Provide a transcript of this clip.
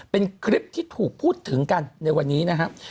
เป็นคลิปที่ถูกพูดถึงกันในวันนี้นะครับ